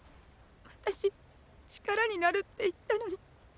私「力になる」って言ったのに。